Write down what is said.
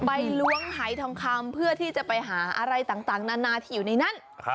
ล้วงหายทองคำเพื่อที่จะไปหาอะไรต่างนานาที่อยู่ในนั้น